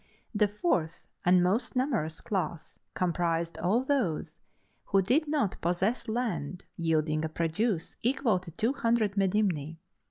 The fourth and most numerous class comprised all those who did not possess land yielding a produce equal to two hundred medimni.